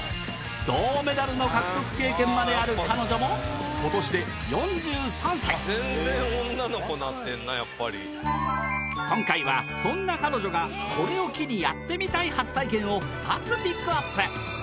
銅メダルの獲得経験まである彼女も今年で今回はそんな彼女がこれを機にやってみたい初体験を２つピックアップ！